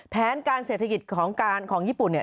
แผนการเศรษฐกิจของการของญี่ปุ่นเนี่ย